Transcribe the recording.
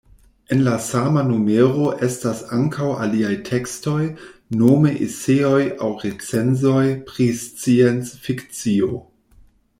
En la sama numero estas ankaŭ aliaj tekstoj, nome eseoj aŭ recenzoj pri sciencfikcio.